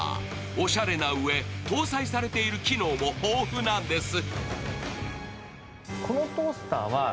おしゃれなうえ、搭載されている機能も豊富なんです。